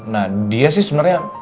nah dia sih sebenarnya